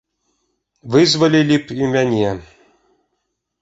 Вызвалілі б і мяне.